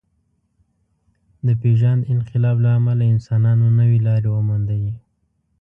د پېژاند انقلاب له امله انسانانو نوې لارې وموندلې.